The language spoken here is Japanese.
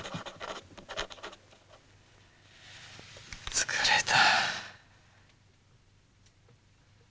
疲れた。